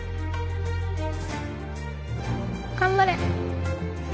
頑張れ！